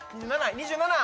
２７！